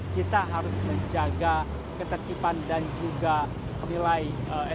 kita harus menjaga ketepan dan juga nilai estetika